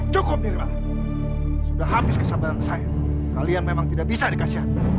cukup mirna sudah habis kesabaran saya kalian memang tidak bisa dikasih hati